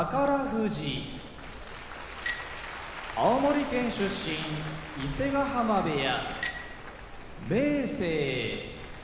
富士青森県出身伊勢ヶ濱部屋明生